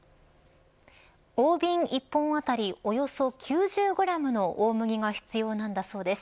大瓶１本当たりおよそ９０グラムの大麦が必要なんだそうです。